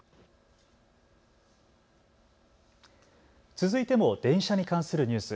続いても電車に関するニュース。